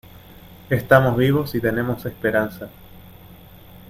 estamos vivos y tenemos esperanza.